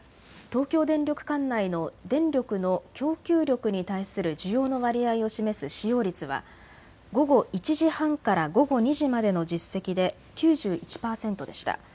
東京電力管内の電力の供給力に対する需要の割合を示す使用率は午後１時半から午後２時までの実績で９１％でした。